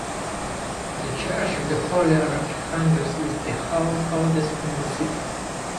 The Church of the Holy Archangels is the oldest in the city.